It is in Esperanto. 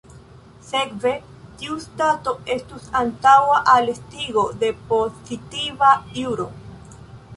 Sekve, tiu stato estus antaŭa al estigo de pozitiva juro.